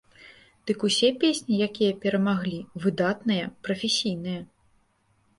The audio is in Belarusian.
Дык усе песні, якія перамагалі, выдатныя, прафесійныя.